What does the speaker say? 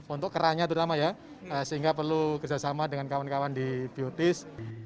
untuk kerannya terutama ya sehingga perlu kerjasama dengan kawan kawan di biotis